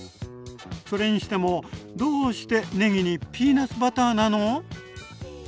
それにしてもどうしてねぎにピーナツバターなの？